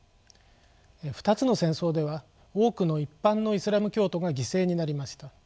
２つの戦争では多くの一般のイスラム教徒が犠牲になりました。